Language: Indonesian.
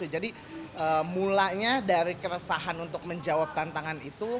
jadi mulanya dari keresahan untuk menjawab tantangan itu